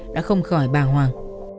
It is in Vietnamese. đã không khỏi bà hoàng